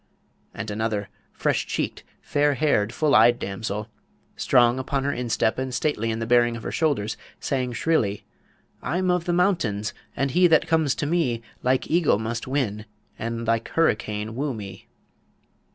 And another, a fresh cheeked, fair haired, full eyed damsel, strong upon her instep and stately in the bearing of her shoulders, sang shrilly: I'm of the mountains, and he that comes to me Like eagle must win, and like hurricane woo me.